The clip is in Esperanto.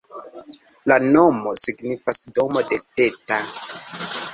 La nomo signifas domo de Tata.